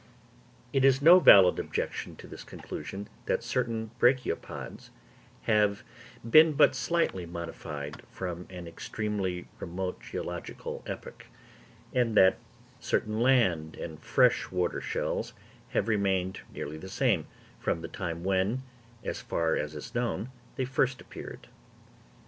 It is no valid objection to this conclusion, that certain Brachiopods have been but slightly modified from an extremely remote geological epoch; and that certain land and fresh water shells have remained nearly the same, from the time when, as far as is known, they first appeared.